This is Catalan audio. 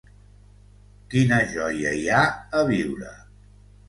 Quina joia hi ha a viure.